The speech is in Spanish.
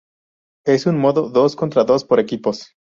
Es un modo dos-contra-dos por equipos.